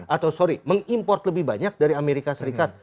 atau sorry mengimport lebih banyak dari amerika serikat